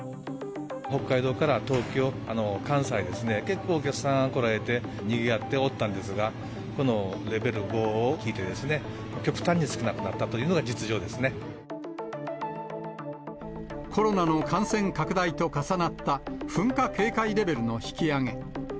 北海道から東京、関西ですね、結構お客さん、来られて、にぎわっておったんですが、このレベル５を聞いてですね、極端に少なくなったというのが実コロナの感染拡大と重なった噴火警戒レベルの引き上げ。